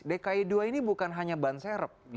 dki ii ini bukan hanya bahan serep